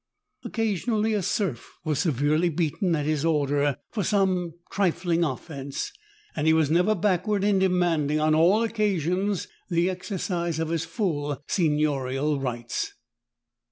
Occasionally a serf was severely beaten at his order for some trifling 108 THE TALltING HANDKERCHIEF. offense, and he was never backward in demanding, on all occasions, the exercise of his full seignorial rights.